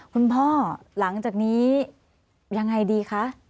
คุณพ่อหลังจากนี้ยังไงดีคะ